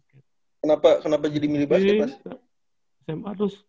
kenapa jadi milih basket mas